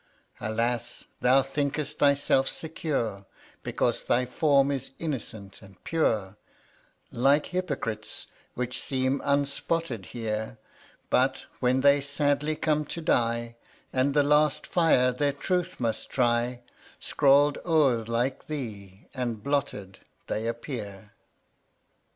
Alas, thou think'st thyself secure, Because thy form is innocent and pure: Like hypocrites, which seem unspotted here; But, when they sadly come to die, And the last fire their truth must try, Scrawled o're like thee, and blotted, they appear.